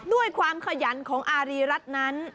ด้วยความขยันของอารีรัฐนั้น